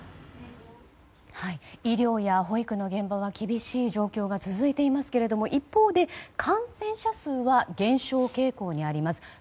医療や保育の現場は厳しい状況が続いていますが一方で感染者数は減少傾向にあります。